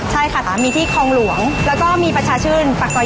ใช่ค่ะมีที่คองหลวงแล้วก็มีประชาชื่นปักตัว๒๗ค่ะ